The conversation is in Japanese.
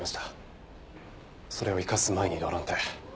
それを生かす前に異動なんて。